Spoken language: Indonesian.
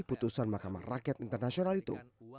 putusan mahkamah rakyat internasional itu